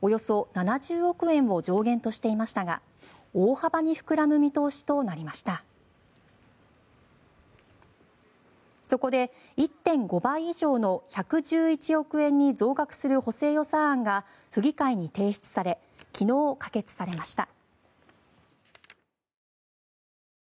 そこで１．５倍以上の１１１億円に増額する補正予算案が府議会に提出され昨日、可決されました。